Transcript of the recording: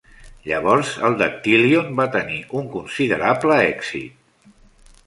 Llavors el dactílion va tenir un considerable èxit.